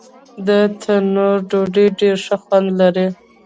د تندور ډوډۍ ډېر ښه خوند لري.